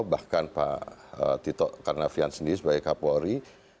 bahkan pak tito karnavian sendiri sebagai kapolri